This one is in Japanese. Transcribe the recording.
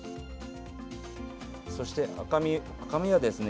そして赤身、赤身はですね